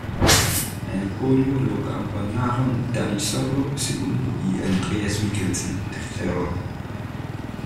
En el podio lo acompañaron Dani Sordo, segundo, y Andreas Mikkelsen, tercero.